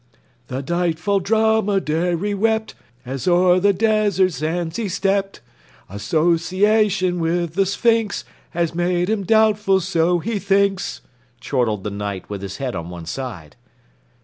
"The doubtful dromedary wept, As o'er the desert sands he stept, Association with the sphinx Has made him doubtful, so he thinks!" chortled the Knight with his head on one side.